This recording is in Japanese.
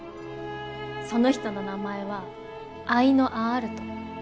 その人の名前はアイノ・アアルト。